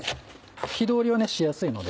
火通りはしやすいので。